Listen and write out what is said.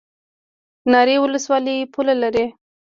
ناری ولسوالۍ پوله لري؟